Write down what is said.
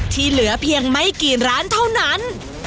เหลือเพียงไม่กี่ร้านเท่านั้น